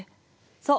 そう。